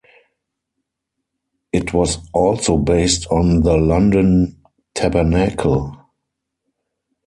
It was also based on the London Tabernacle.